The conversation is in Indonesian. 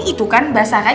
itu kan basah kan